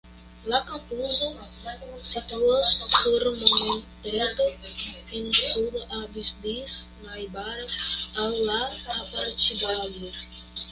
La kampuso situas sur monteto en suda Abu Dis najbara al la apartbarilo.